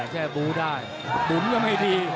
แช่บูได้บุ๋มก็ไม่ดี